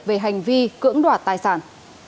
về hành vi cưỡng đoạt tài sản